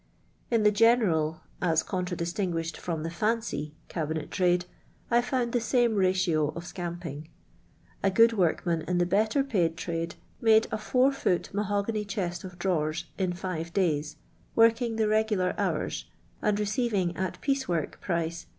In the general, as contra distinguished from the fancy, cabinet trade I found the same ratio of '* scamping." A good workman in the better paid trade made a four foot mahogany chest of drawers in five days, working the regular hours, and receiving, at piece>work price, 35«.